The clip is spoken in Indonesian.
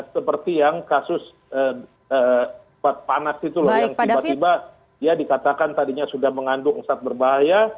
seperti yang kasus panas itu loh yang tiba tiba ya dikatakan tadinya sudah mengandung zat berbahaya